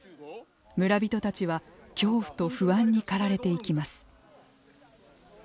村人たちは恐怖と不安に駆られていきます。